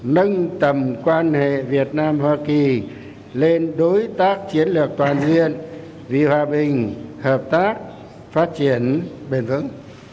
nâng tầm quan hệ việt nam hoa kỳ lên đối tác chiến lược toàn diện vì hòa bình hợp tác phát triển bền vững